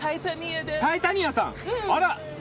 タイタニアです。